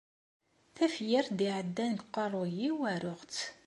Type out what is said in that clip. Tafyirt i d-iɛeddan deg uqerruy-iw, aruɣ-tt.